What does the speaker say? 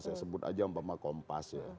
saya sebut aja umpama kompas ya